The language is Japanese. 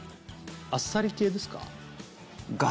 あっさり系ですか？